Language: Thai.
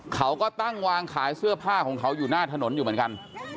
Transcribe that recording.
เขาก็ตั้งวางขายเสื้อผ้าของเขาอยู่หน้าถนนอยู่เหมือนกัน